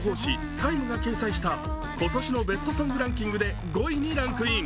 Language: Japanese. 「ＴＩＭＥ」が掲載した今年のベストソングランキングで５位にランクイン。